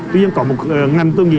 tuy nhiên có một ngành tôi nghĩ